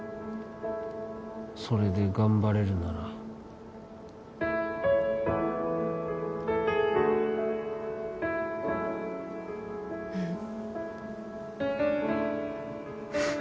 それで頑張れるならうんフッ